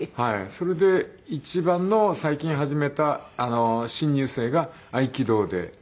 それで一番の最近始めた新入生が合気道で。